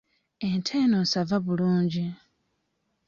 Ente eno nsava bulungi.